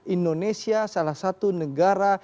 indonesia salah satu negara